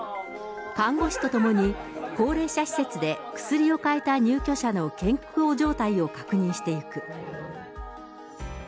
看護師と共に、高齢者施設で薬をかえた入居者の健康状態を確認していく。